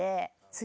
次。